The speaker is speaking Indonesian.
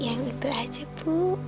yang itu aja bu